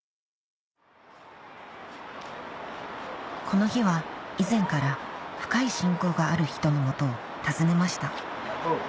この日は以前から深い親交がある人の元を訪ねましたおう。